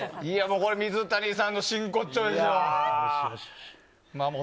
これ、水谷さんの真骨頂でしょ。